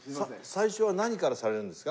最初は何からされるんですか？